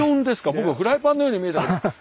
僕はフライパンのように見えたけど。